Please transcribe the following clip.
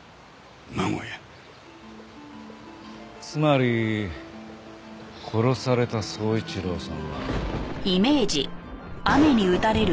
つまり殺された宗一郎さんは。